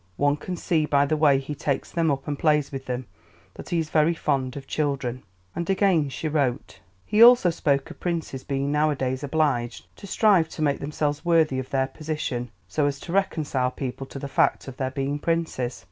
One can see by the way he takes them up and plays with them that he is very fond of children." And again she wrote: "He also spoke of princes being nowadays obliged to strive to make themselves worthy of their position, so as to reconcile people to the fact of their being princes."